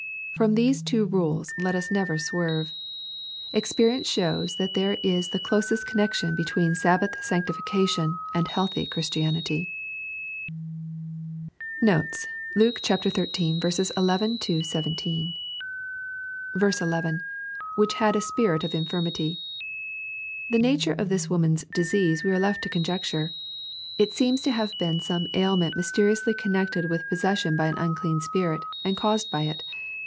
From these two rules let us never swerve. Ex perience shows that there is the closest connection be tween Sabhath sanctification and healthy Chiistianity. Notes. Luke XIII. 11 — 17. 1 1. —[ Which had a spirit of infirmity. '\ Tlie nature of this woman*i disease we are left to conjecture. It seems to haye been some ail« ment mysteriously connected with possession by an unclean spirit^ and caused by it.